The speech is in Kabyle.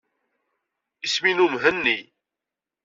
Isem-inu Mhenni.